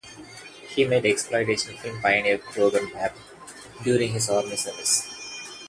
He met exploitation film pioneer Kroger Babb during his army service.